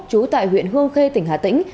chú tại huyện hương khê tỉnh hà tĩnh